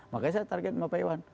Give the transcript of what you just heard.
makanya saya target sama pak iwan